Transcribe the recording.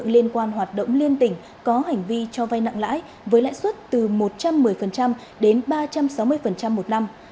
liên quan hoạt động liên tỉnh có hành vi cho vay nặng lãi với lãi suất từ một trăm một mươi đến ba trăm sáu mươi một năm